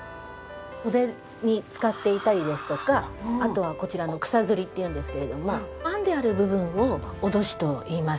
袖に使っていたりですとかあとはこちら草摺っていうんですけれども編んである部分を威といいます。